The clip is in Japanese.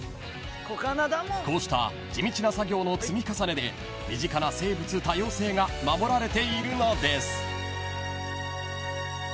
［こうした地道な作業の積み重ねで身近な生物多様性が守られているのです］